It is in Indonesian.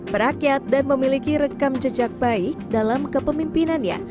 berakyat dan memiliki rekam jejak baik dalam kepemimpinannya